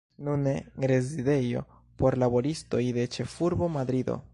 Nune rezidejo por laboristoj de ĉefurbo Madrido.